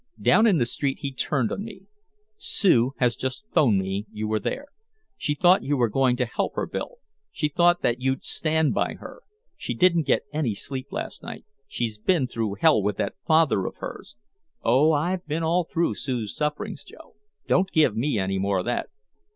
Down in the street he turned on me: "Sue has just 'phoned me you were there. She thought you were going to help her, Bill, she thought that you'd stand by her. She didn't get any sleep last night she's been through hell with that father of hers " "Oh, I've been all through Sue's sufferings, Joe. Don't give me any more of that."